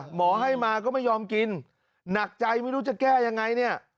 หมอให้มาก็ไม่ยอมกินหนักใจไม่รู้จะแก้ยังไงเนี่ย